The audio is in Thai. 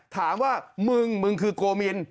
ถามว่ามึงมึงคือโกมิน